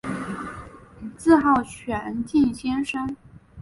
自号玄静先生。